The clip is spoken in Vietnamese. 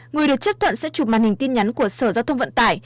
người được chấp thuận sẽ chụp màn hình tin nhắn của sở giao thông vận tải